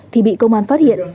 thì bị công an phát hiện